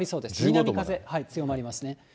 南風、強まりますね。